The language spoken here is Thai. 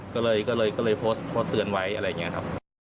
ก็เลยโพสต์เตือนไว้อะไรอย่างนี้ครับ